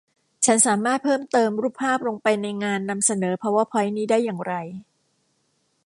ฉันสามารถเพิ่มเติมรูปภาพลงไปในงานนำเสนอพาวเวอร์พ้อยนี้ได้อย่างไร